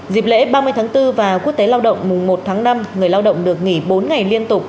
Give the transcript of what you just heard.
dịp lễ ba mươi tháng bốn và quốc tế lao động mùa một tháng năm người lao động được nghỉ bốn ngày liên tục